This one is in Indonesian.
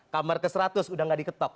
kamar ke seratus udah nggak diketok